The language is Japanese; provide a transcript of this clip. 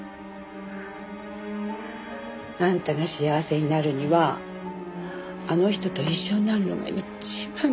あんたが幸せになるにはあの人と一緒になるのが一番だ。